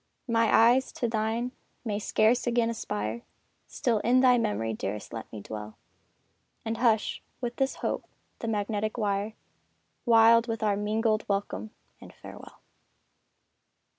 My eyes to thine may scarce again aspire Still in thy memory, dearest let me dwell, And hush, with this hope, the magnetic wire, Wild with our mingled welcome and farewell!